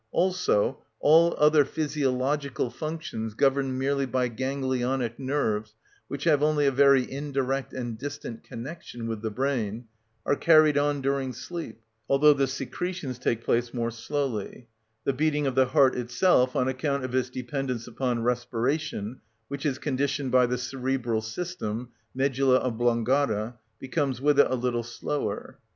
Also all other physiological functions governed merely by ganglionic nerves, which have only a very indirect and distant connection with the brain, are carried on during sleep, although the secretions take place more slowly; the beating of the heart itself, on account of its dependence upon respiration, which is conditioned by the cerebral system (medulla oblongata), becomes with it a little slower.